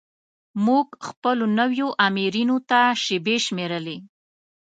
موږ خپلو نویو آمرینو ته شیبې شمیرلې.